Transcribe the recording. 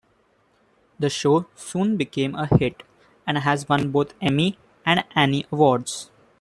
The show soon became a hit and has won both Emmy and Annie awards.